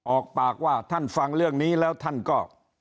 ออกปากว่าท่านฟังเรื่องนี้แล้วท่านก็